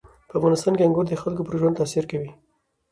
په افغانستان کې انګور د خلکو پر ژوند تاثیر کوي.